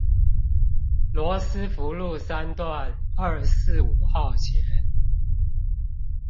羅斯福路三段二四五號前